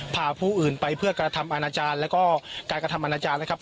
พาผู้อื่นไปเพื่อกระทำอาณาจารย์แล้วก็การกระทำอนาจารย์นะครับ